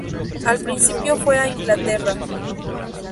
Al principio fue a Inglaterra.